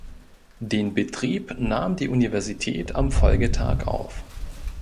Den Betrieb nahm die Universität am Folgetag auf.